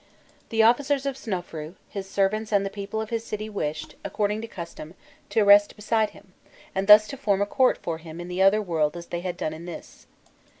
The officers of Snofrûi, his servants, and the people of his city wished, according to custom, to rest beside him, and thus to form a court for him in the other world as they had done in this.